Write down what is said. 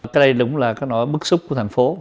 cái đây đúng là cái nỗi bức xúc của thành phố